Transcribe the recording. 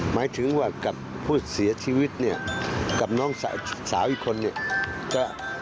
หมายถึงว่ากับผู้เสียชีวิตกับน้องสาวอีกคน